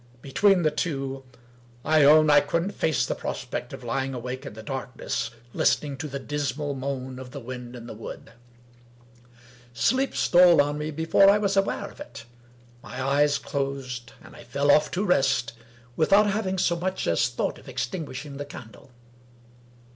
Between the two, I own I couldn't face the prospect of lying awake in the darkness, Hstening to the dismal moan of the wind in the wood. Sleep stole on me before I was aware of it; my eyes <:losed, and I fell off to rest, without having so much as thought of extinguishing the candle.